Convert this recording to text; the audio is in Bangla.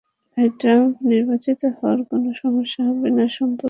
তাই ট্রাম্প নির্বাচিত হওয়ায় কোনো সমস্যা হবে না, সম্পর্ক একই থাকবে।